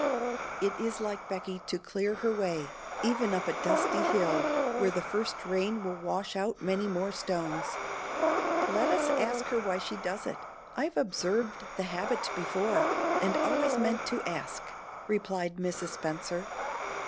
It is like Becky to clear her way, even up a dusty hill where the first rain will wash out many more stones. Let us ask her why she does it. I've observed the habit before, and always meant to ask," replied Mrs. Spenser.